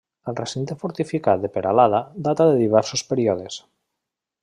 El recinte fortificat de Peralada data de diversos períodes.